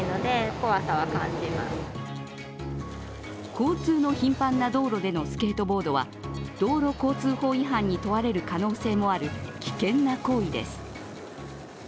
交通の頻繁な道路でのスケートボードは道路交通法違反に問われる可能性もある危険な行為です。